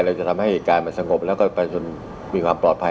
เราจะทำให้เอกการมันสงบแล้วก็มีความปลอดภัย